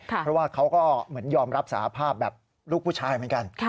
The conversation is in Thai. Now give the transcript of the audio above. เพราะว่าเขาก็เหมือนยอมรับสาภาพแบบลูกผู้ชายเหมือนกัน